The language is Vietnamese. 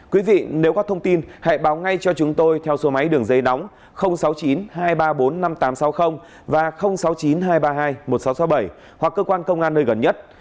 quý vị nếu có thông tin hãy báo ngay cho chúng tôi theo số máy đường dây nóng sáu mươi chín hai trăm ba mươi bốn năm nghìn tám trăm sáu mươi và sáu mươi chín hai trăm ba mươi hai một nghìn sáu trăm sáu mươi bảy hoặc cơ quan công an nơi gần nhất